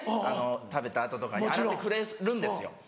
あの食べた後とかに洗ってくれるんですよ。